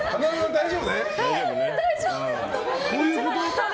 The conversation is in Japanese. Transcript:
大丈夫。